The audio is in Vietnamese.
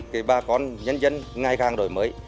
cái bà con nhân dân ngày càng đổi mới